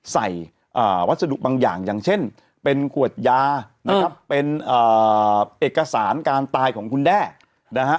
วัสดุบางอย่างอย่างเช่นเป็นขวดยานะครับเป็นเอกสารการตายของคุณแด้นะฮะ